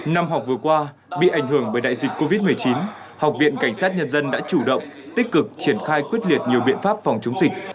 năm học vừa qua bị ảnh hưởng bởi đại dịch covid một mươi chín học viện cảnh sát nhân dân đã chủ động tích cực triển khai quyết liệt nhiều biện pháp phòng chống dịch